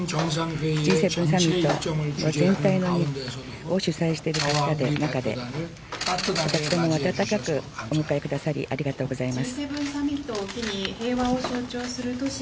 Ｇ７サミット全体を主催されている中で、私どもを温かくお迎えくださり、ありがとうございます。